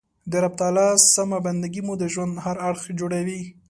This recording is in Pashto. د رب تعالی سمه بنده ګي مو د ژوند هر اړخ جوړوي.